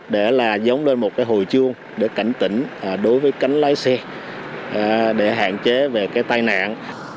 để là giống lên một cái hồi chuông để cảnh tỉnh đối với cánh lái xe để hạn chế về cái tai nạn